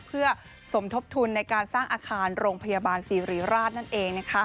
เพื่อสมทบทุนในการสร้างอาคารโรงพยาบาลศิริราชนั่นเอง